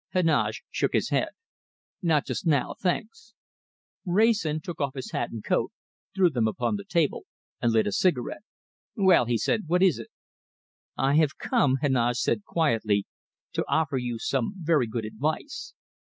Heneage shook his head. "Not just now, thanks!" Wrayson took off his hat and coat, threw them upon the table, and lit a cigarette. "Well," he said, "what is it?" "I have come," Heneage said quietly, "to offer you some very good advice.